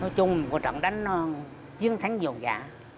nói chung trận đánh chiến thắng nhiều dạ